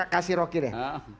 kasih rocky deh